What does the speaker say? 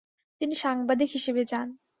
তিনি সাংবাদিক হিসেবে যান।